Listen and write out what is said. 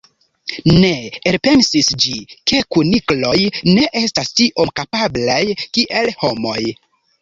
Ne elpensis ĝi, ke kunikloj ne estas tiom kapablaj kiel homoj.